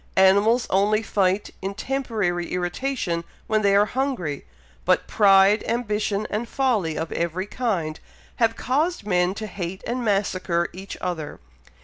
Animals only fight in temporary irritation when they are hungry, but pride, ambition, and folly of every kind, have caused men to hate and massacre each other.